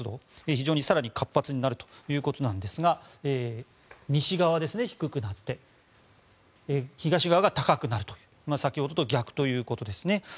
非常に、更に活発になるということなんですが西側が低くなって東側が高くなるという先ほどと逆ということですね。